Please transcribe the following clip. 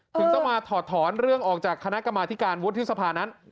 ถึงต้องมาถอดถอนเรื่องออกจากคณะกรรมาธิการวุฒิสภานั้น